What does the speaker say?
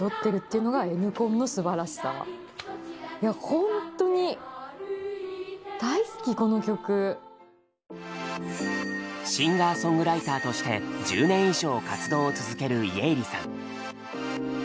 ほんとにシンガーソングライターとして１０年以上活動を続ける家入さん。